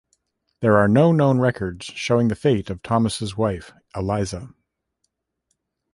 There are no known records showing the fate of Thomas' wife, Eliza.